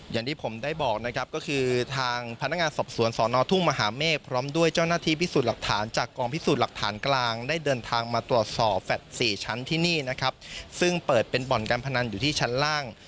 อย่างที่ผมได้บอกนะครับก็คือทางพนักงานสอบสวนสอนอทุ่งมหาเมฆพร้อมด้วยเจ้าหน้าที่พิสูจน์หลักฐานจากกองพิสูจน์หลักฐานกลางได้เดินทางมาตรวจสอบแฟลต์๔ชั้นที่นี่นะครับซึ่งเปิดเป็นบ่อนการพนันอยู่ที่ชั้นล่าง